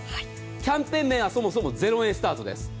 キャンペーン名はそもそも０円スタートです。